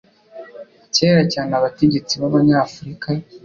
Kera cyane, abategetsi b'Abanyafurika